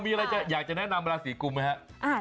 มีอะไรจะอยากจะแนะนำราศีกุมไหมครับ